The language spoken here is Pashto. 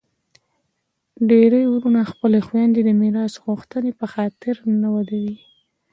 ډیری وروڼه خپلي خویندي د میراث غوښتني په خاطر نه ودوي.